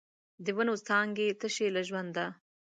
د ونو څانګې تشې له ژونده